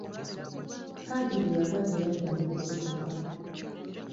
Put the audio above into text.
Haji bwe yagwa teyaddamu kusituka.